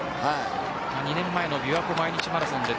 ２年前のびわ湖毎日マラソンで